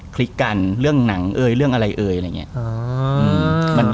คลิกกันเรื่องหนังเอ่ยเรื่องอะไรเอ่ยอะไรอย่างนี้